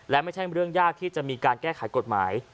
และไม่ใช่เรื่องยากที่จะมีการแก้ไขกฎหมาย